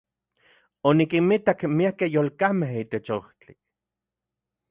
Onikinmitak miakej yolkamej itech ojtli.